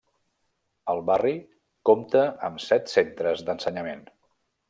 El barri compta amb set centres d'ensenyament.